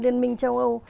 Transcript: liên minh châu âu